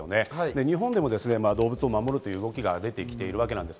日本でも動物を守るという動きが出ています。